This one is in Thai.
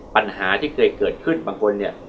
ปัญหาที่เคยเกิดขึ้นบางคนเนี่ย